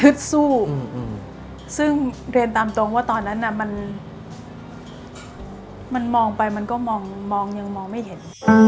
สู้ซึ่งเรียนตามตรงว่าตอนนั้นมันมองไปมันก็มองยังมองไม่เห็น